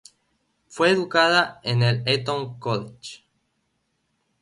Fue educada en el Eton College.